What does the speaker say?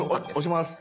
押します。